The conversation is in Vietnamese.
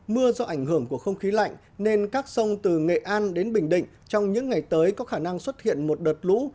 mưa do ảnh hưởng của không khí lạnh nên các sông từ nghệ an đến bình định trong những ngày tới có khả năng xuất hiện một đợt lũ